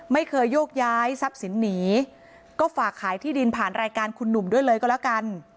ไม่เคยโยกย้ายทรัพย์สินหนีก็ฝากขายที่ดินผ่านรายการคุณหนุ่มด้วยเลยก็แล้วกัน